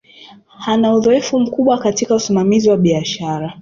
Ana uzoefu mkubwa katika usimamizi wa biashara